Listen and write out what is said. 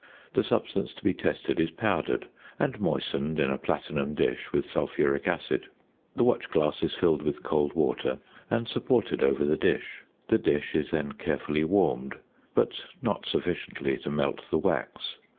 The substance to be tested is powdered; and moistened, in a platinum dish, with sulphuric acid. The watch glass is filled with cold water and supported over the dish. The dish is then carefully warmed, but not sufficiently to melt the wax.